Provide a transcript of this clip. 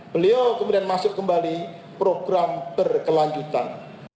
beliau kemudian masuk kembali program berkelanjutan